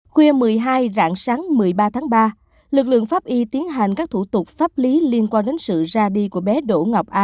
khuya một mươi hai rạng sáng một mươi ba tháng ba lực lượng pháp y tiến hành các thủ tục pháp lý liên quan đến sự ra đi của bé đỗ ngọc a